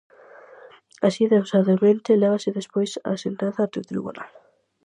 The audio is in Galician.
Así de ousadamente lévase despois a sentenza ante o tribunal.